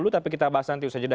tapi kita bahas nanti usai jeda